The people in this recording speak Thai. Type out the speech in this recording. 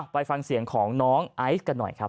ไปฟังเสียงของน้องไอซ์กันหน่อยครับ